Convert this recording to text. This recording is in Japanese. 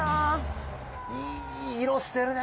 いい色してるね。